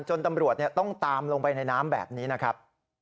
ตำรวจต้องตามลงไปในน้ำแบบนี้นะครับ